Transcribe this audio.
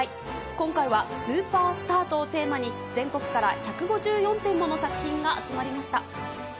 今回はＳＵＰＥＲＳＴＡＲＴをテーマに、全国から１５４点もの作品が集まりました。